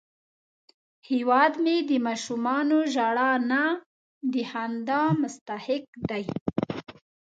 هیواد مې د ماشومانو ژړا نه، د خندا مستحق دی